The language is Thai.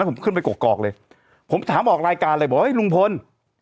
แล้วผมขึ้นไปเกาะเกาะเลยผมถามออกรายการเลยบอกว่าเฮ้ยลุงพลส์